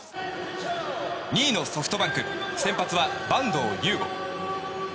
２位のソフトバンク先発は板東湧梧。